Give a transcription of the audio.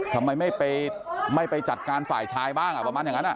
ทำไมไม่ไปจัดการฝ่ายชายบ้างประมาณอย่างนั้น